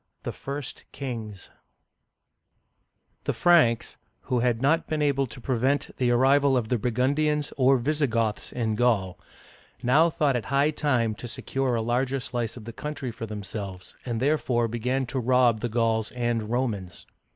XII. THE FIRST KINGS THE Franks, who had not been able to prevent the arrival of the Burgundians or Visigoths in Gaul, now thought it high time to secure a larger slice of the country Digitized by Google THE FRANKS 45 for themselves, and therefore began to rob the Gauls and Romans.